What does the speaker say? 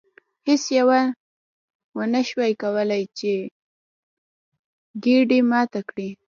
هیڅ یوه ونشوای کولی چې ګېډۍ ماته کړي.